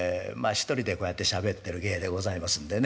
１人でこうやってしゃべってる芸でございますんでね